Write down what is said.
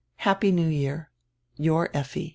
Happy New Year! Your Effi.